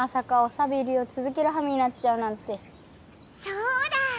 そうだ！